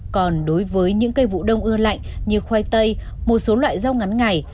còn đối với những cây vụ đông ưa lạnh như khoai tây một số loại rau ngắn ngày